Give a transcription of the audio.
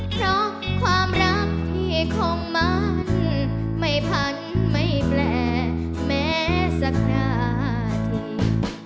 เพราะความรักที่คงมันไม่พันไม่แปลแม้สักนาที